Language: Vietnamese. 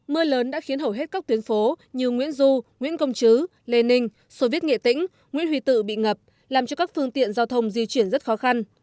mưa lớn đã khiến hầu hết các tuyến phố như nguyễn du nguyễn công chứ lê ninh sô viết nghệ tĩnh nguyễn huy tự bị ngập làm cho các phương tiện giao thông di chuyển rất khó khăn